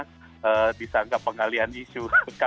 nanti malah bisa anggap pengalian isu